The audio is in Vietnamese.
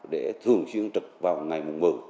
để thường xuyên trực vào ngày một mươi